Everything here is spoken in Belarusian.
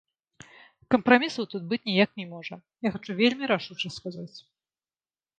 Кампрамісаў тут быць ніяк не можа, я хачу вельмі рашуча сказаць.